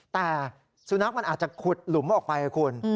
แต่สุนัขมันอาจจะขุดหลุมออกไปนะคุณ